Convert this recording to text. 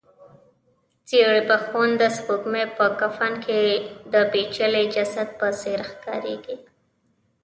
زېړبخونده سپوږمۍ په کفن کې د پېچلي جسد په څېر ښکاریږي.